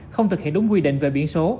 không thực hiện đúng quy định về biển số